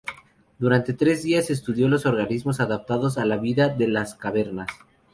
Durante tres días, estudió los organismos adaptados a la vida de las cavernas.